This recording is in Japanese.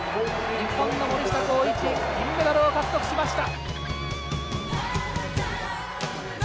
日本の森下広一銀メダルを獲得しました。